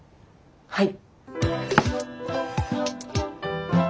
はい。